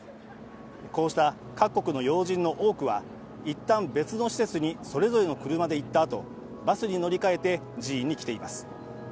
こうした、各国の要人の多くはいったん別の施設にそれぞれの車で行ったあとバスに乗り換えて寺院に来ています。